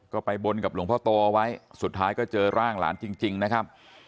ก็ไปบนกับหลวงพ่อโตเอาไว้สุดท้ายก็เจอร่างหลานจริงนะครับ